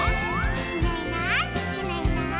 「いないいないいないいない」